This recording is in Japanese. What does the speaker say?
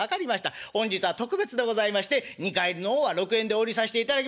本日は特別でございまして二荷入りの方は６円でお売りさせていただきましょう」。